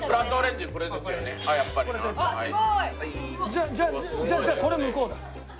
じゃあじゃあこれ向こうだ。